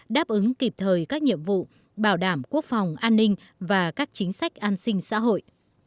đáp ứng kịp thời các nhiệm vụ bảo đảm quốc phòng an ninh và các chính sách an sinh xã hội